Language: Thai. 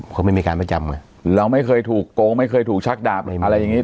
เขาไม่มีการประจำไงเราไม่เคยถูกโกงไม่เคยถูกชักดาบอะไรอย่างงี